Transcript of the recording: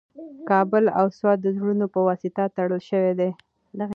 کابل او سوات د زړونو په واسطه تړل شوي دي.